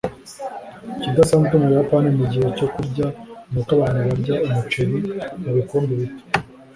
ikidasanzwe mu buyapani mugihe cyo kurya ni uko abantu barya umuceri mubikombe bito